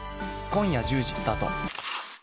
今夜１０時スタート。